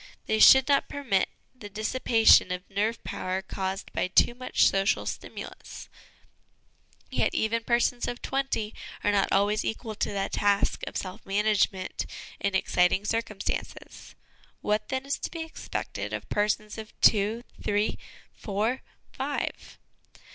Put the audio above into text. They should not permit the dissipation of nerve power caused by too much social stimulus ; yet even persons of twenty are not always equal to the task of self management in ex citing circumstances. What then, is to be expected of persons of two, three, four, five